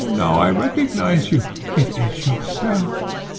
Now I recognise you! It is yourself!'